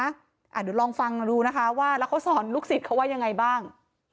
เดี๋ยวลองฟังดูนะคะว่าแล้วเขาสอนลูกศิษย์เขาว่ายังไงบ้าง